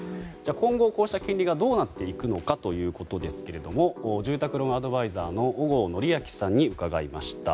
今後、こうした金利がどうなっていくのかということですが住宅ローンアドバイザーの淡河範明さんに伺いました。